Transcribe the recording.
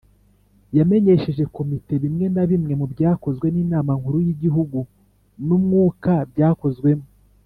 yamenyesheje Komite bimwe na bimwe mu byakozwe n'Inama Nkuru y'Igihugu n'umwuka byakozwemo,